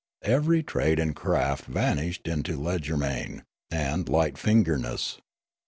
Every trade and craft vanished into legerdemain and light fingeredness.